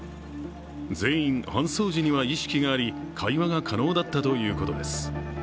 全員、搬送時には意識があり会話が可能だったということです。